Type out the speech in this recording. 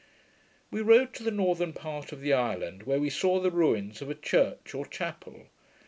We rode to the northern part of the island, where we saw the ruins of a church or chapel.